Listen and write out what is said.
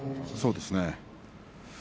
そうですね。